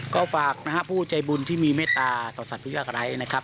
ก็ฝากนะฮะผู้ใจบุญที่มีเมตตาต่อสัตว์ผู้ยากไร้นะครับ